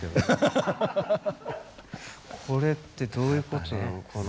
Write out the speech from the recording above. これってどういうことなのかな？